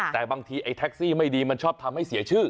แต่บางทีไอ้แท็กซี่ไม่ดีมันชอบทำให้เสียชื่อ